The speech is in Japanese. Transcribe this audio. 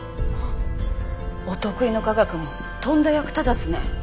お得意の科学もとんだ役立たずね。